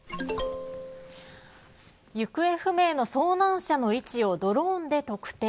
行方不明の遭難者の位置をドローンで特定。